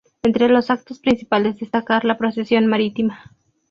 Entre los actos principales destacar la Procesión Marítima.